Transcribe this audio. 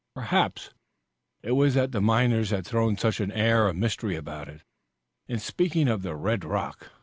Perhaps it was that the miners had thrown such an air of mystery about it in speaking of the red rock.